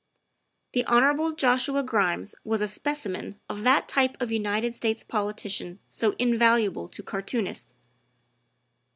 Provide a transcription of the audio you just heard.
'' The Hon. Joshua Grimes was a specimen of that type of United States politician so invaluable to cartoonists.